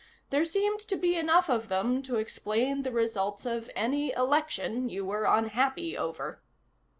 There seemed to be enough of them to explain the results of any election you were unhappy over.